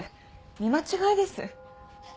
見間違いです。